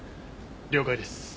了解です。